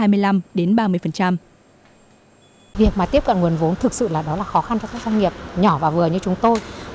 việc mà tiếp cận nguồn vốn thực sự là đó là khó khăn cho các doanh nghiệp nhỏ và vừa như chúng tôi